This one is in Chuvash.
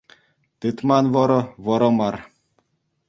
Тытман вӑрӑ — вӑрӑ мар